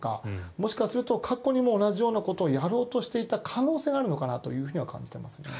もしかすると過去にも同じようなことをやろうとしていた可能性があるのかなとは感じています。